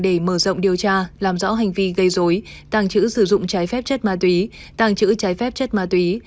để mở rộng điều tra làm rõ hành vi gây dối tàng trữ sử dụng trái phép chất ma túy tàng trữ trái phép chất ma túy